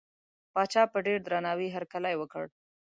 پاچا په ډېر درناوي هرکلی وکړ.